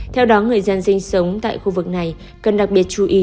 theo đó người dân sinh sống tại khu vực này cần đặc biệt chú ý